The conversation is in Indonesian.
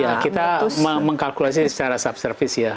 ya kita mengkalkulasi secara subservice ya